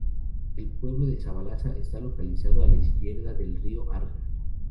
El pueblo de Zabalza está localizado a la izquierda del río Arga.